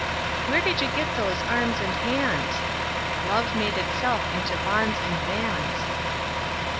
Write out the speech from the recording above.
Where did you get those arms and hands? Love made itself into bonds and bands.